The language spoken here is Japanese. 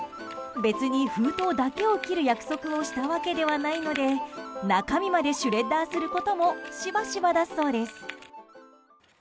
別に、封筒だけを切る約束をしたわけではないので中身までシュレッダーすることもしばしばだそうです。